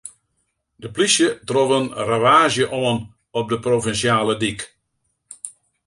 De polysje trof in ravaazje oan op de provinsjale dyk.